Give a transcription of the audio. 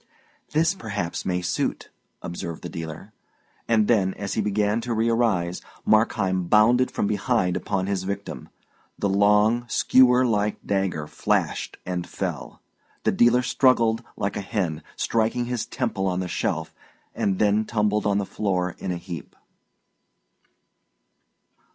"This, perhaps, may suit," observed the dealer. And then, as he began to rearise, Markheim bounded from behind upon his victim. The long, skewer like dagger flashed and fell. The dealer struggled like a hen, striking his temple on the shelf, and then tumbled on the floor in a heap.